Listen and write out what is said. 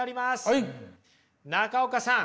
中岡さん。